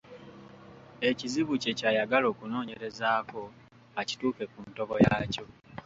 Ekizibu kye ky’ayagala okunoonyerezaako akituuke ku ntobo yaakyo.